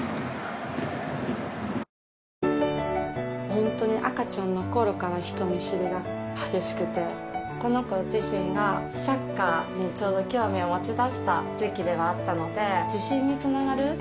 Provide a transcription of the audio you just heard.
本当に赤ちゃんの頃から人見知りが激しくてこの子自身がサッカーにちょうど興味を持ち出した時期ではあったので自信につながる成功体験になっていったらいいなと思って。